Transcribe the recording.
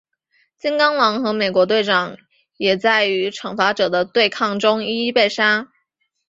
金刚狼和美国队长也在与惩罚者的对抗中一一被杀。